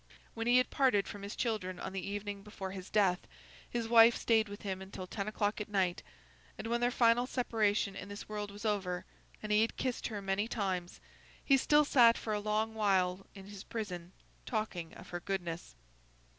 When he had parted from his children on the evening before his death, his wife still stayed with him until ten o'clock at night; and when their final separation in this world was over, and he had kissed her many times, he still sat for a long while in his prison, talking of her goodness.